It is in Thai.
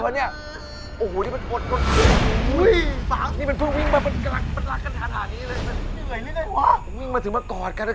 มันเหนื่อยแน่แหน่ควะวิ่งมาถึงมากอดเลย